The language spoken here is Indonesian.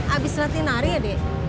abis latihan nari ya deh